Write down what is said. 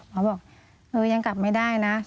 เขาบอกเออยังกลับไม่ได้นะ